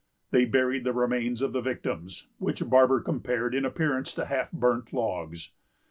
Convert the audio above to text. They buried the remains of the victims, which Barber compared in appearance to half burnt logs.